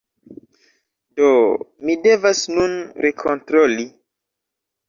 Do, mi devas nun rekontroli